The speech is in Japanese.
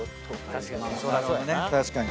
確かに。